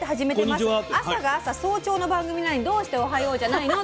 朝が朝早朝の番組なのにどうして『おはよう』じゃないの？」